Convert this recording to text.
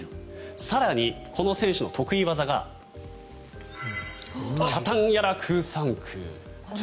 更にこの選手の得意技がチャタンヤラクーサンクー。